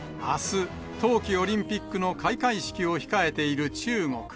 あす、冬季オリンピックの開会式を控えている中国。